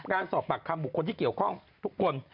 การสอบปากคำบุคคลที่เกี่ยวข้องทุกคน